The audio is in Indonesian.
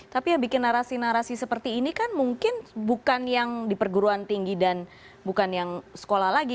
tapi yang bikin narasi narasi seperti ini kan mungkin bukan yang di perguruan tinggi dan bukan yang sekolah lagi